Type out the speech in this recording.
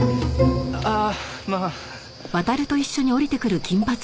ああまあ。